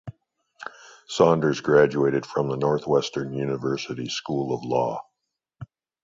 Saunders graduated from the Northwestern University School of Law.